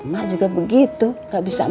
mak juga begitu gak bisa